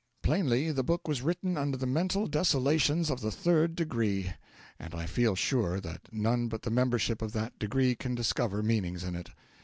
Plainly the book was written under the mental desolations of the Third Degree, and I feel sure that none but the membership of that Degree can discover meanings in it.